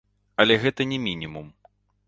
Але гэта не мінімум.